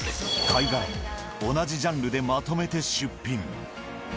貝殻も同じジャンルでまとめて出品。